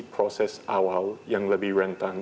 proses awal yang lebih rentan